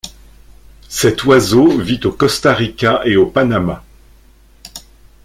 Cet oiseau vit au Costa Rica et au Panama.